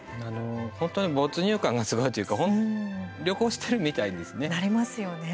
本当に没入感がすごいというか旅行してるみたいですね。